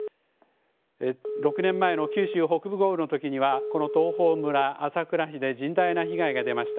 ６年前の九州北部豪雨のときには、この東峰村、朝倉市で甚大な被害が出ました。